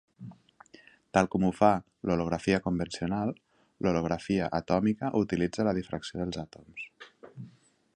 Tal com ho fa l'holografia convencional, l'holografia atòmica utilitza la difracció dels àtoms.